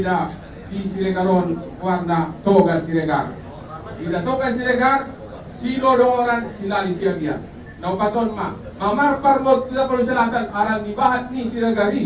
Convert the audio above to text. dan kita akan berhasil mencapai kesempatan ini